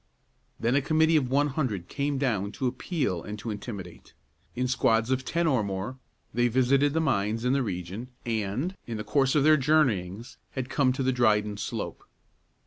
Then a committee of one hundred came down to appeal and to intimidate. In squads of ten or more they visited the mines in the region, and, in the course of their journeyings, had come to the Dryden Slope.